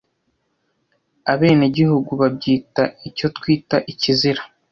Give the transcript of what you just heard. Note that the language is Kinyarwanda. Abenegihugu babyita icyo twita Ikizira